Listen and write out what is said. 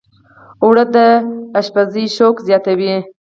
اوړه د پخلي شوق زیاتوي